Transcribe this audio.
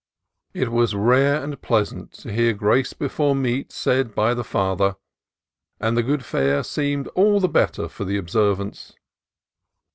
It was rare and pleasant to hear grace before meat said by the father, and the good fare seemed all the better for the observance.